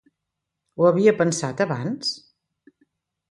Ho havia pensat abans?